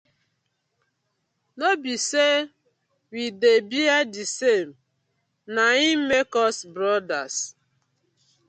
No bi say we dey bear di same na im make us brothers.